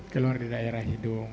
keluar di daerah hidung